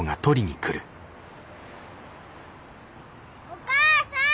お母さん！